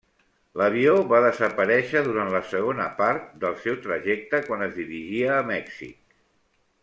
L'avió va desaparèixer durant la segona part del seu trajecte quan es dirigia a Mèxic.